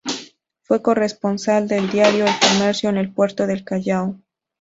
Fue corresponsal del diario "El Comercio" en el puerto del Callao.